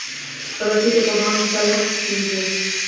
رسۍ د پوهانو مثال هم کېږي.